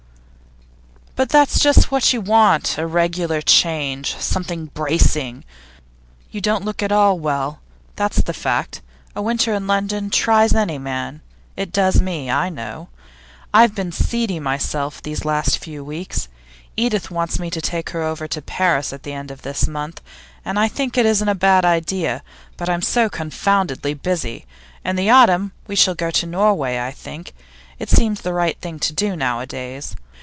'But that's just what you want a regular change, something bracing. You don't look at all well, that's the fact. A winter in London tries any man it does me, I know. I've been seedy myself these last few weeks. Edith wants me to take her over to Paris at the end of this month, and I think it isn't a bad idea; but I'm so confoundedly busy. In the autumn we shall go to Norway, I think; it seems to be the right thing to do nowadays.